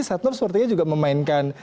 setnov sepertinya juga memainkan